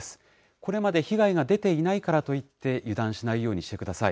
これまで被害が出ていないからといって油断しないようにしてください。